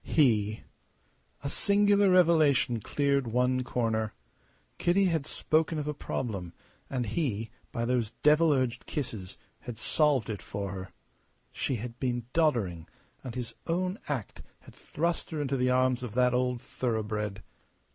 He! A singular revelation cleared one corner. Kitty had spoken of a problem; and he, by those devil urged kisses, had solved it for her. She had been doddering, and his own act had thrust her into the arms of that old thoroughbred.